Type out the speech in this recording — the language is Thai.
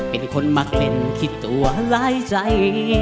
เป็นคนมักเล่นคิดตัวหลายใจ